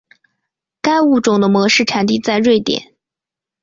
该物种的模式产地在瑞典。